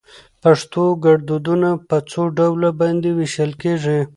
پښتو ګړدودونه په څو ډلو باندي ويشل کېږي؟